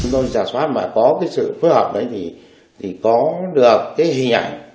chúng tôi trả xóa mà có cái sự phối hợp đấy thì có được cái hình ảnh